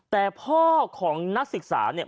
แต่พ่อของนักศึกษาเนี่ย